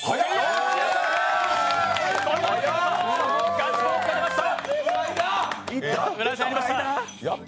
ガッツポーズが出ました！